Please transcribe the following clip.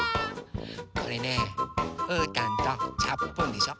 これねうーたんとチャップンでしょ